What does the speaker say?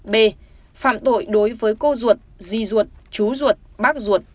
b phạm tội đối với cô ruột di duột chú ruột bác ruột